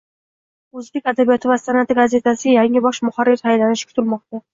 O'zbek adabiyoti va san'ati gazetasiga yangi bosh muharrir tayinlanishi kutilmoqda